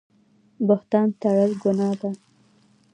بهتان تړل ګناه ده